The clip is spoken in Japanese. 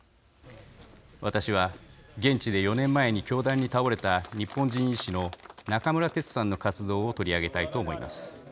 私は現地で４年前に凶弾に倒れた日本人医師の中村哲さんの活動を取り上げたいと思います。